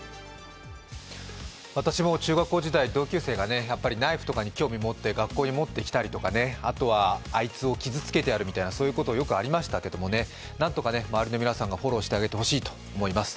私も中学校時代、同級生がナイフとかに興味を持って学校に持ってきたりとか、あとはあいつを傷つけてやるみたいなこと、よくありましたけど何とか周りの皆さんがフォローしてあげてほしいと思います。